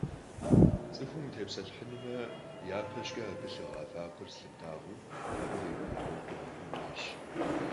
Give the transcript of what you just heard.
Цӏыхум утепсэлъыхьынумэ, япэ щӏыкӏэ абы лъыгъа вакъэр зылъыптӏагъэу, абы къикӏуа гъуэгур къэпкӏун хуейщ.